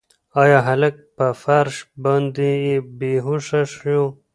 ایا هلک په فرش باندې بې هوښه شو؟